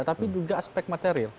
tapi juga aspek material